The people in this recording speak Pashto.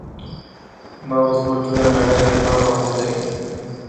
مغز مو ټوله نړۍ له پامه غورځوي.